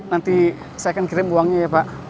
nanti saya akan kirim uangnya ya pak